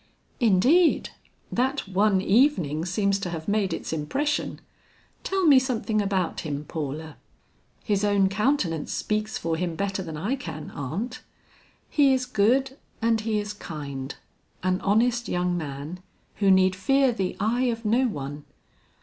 "Indeed! that one evening seems to have made its impression. Tell me something about him, Paula." "His own countenance speaks for him better than I can, aunt. He is good and he is kind; an honest young man, who need fear the eye of no one.